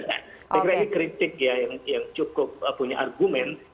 jadi kritis ya yang cukup punya argumen